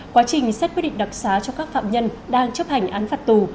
quá trình xét quyết định đặc xá cho các phạm nhân đang chấp hành án phạt tù